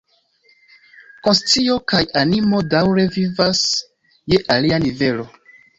Konscio kaj animo daŭre vivas je alia nivelo.